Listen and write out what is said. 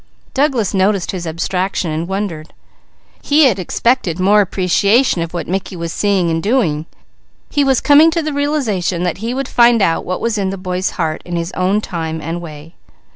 Douglas noticed his abstraction and wondered. He had expected more appreciation of what Mickey was seeing and doing; he was coming to the realization that he would find out what was in the boy's heart in his own time and way.